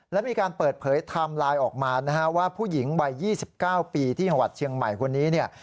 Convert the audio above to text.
และมีการเปิดเผยไทม์ไลน์ออกมานะฮะว่าผู้หญิงวัย๒๙ปีที่จังหวัดเชียงใหม่คนนี้เนี่ย